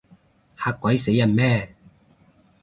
嚇鬼死人咩？